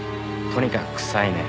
とにかく臭いね。